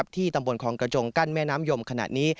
ที่ตำบลคองกระจงกั้นแม่น้ำยมขณะนี้